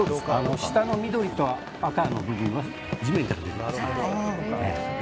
下の緑と赤の部分は地面から出てます。